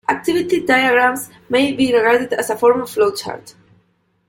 Activity diagrams may be regarded as a form of flowchart.